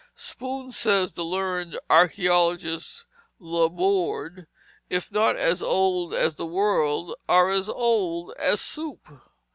"Spoons," says the learned archæologist, Laborde, "if not as old as the world, are as old as soup."